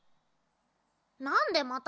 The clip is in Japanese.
なんでまた？